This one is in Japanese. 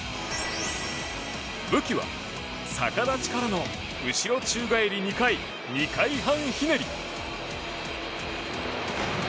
武器は逆立ちからの後ろ宙返り２回２回半ひねり。